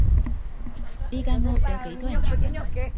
呢間屋有幾多人住緊？